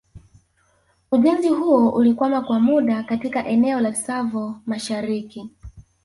Ujenzi huo ulikwama kwa muda katika eneo la Tsavo mashariki